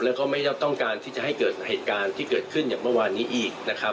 แล้วก็ไม่ต้องการที่จะให้เกิดเหตุการณ์ที่เกิดขึ้นอย่างเมื่อวานนี้อีกนะครับ